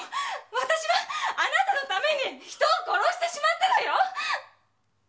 私はあなたのために人を殺してしまったのよ！